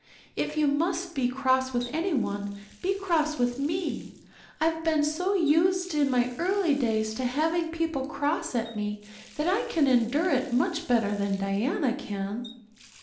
If you must be cross with anyone, be cross with me. I've been so used in my early days to having people cross at me that I can endure it much better than Diana can."